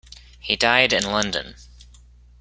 He died in London.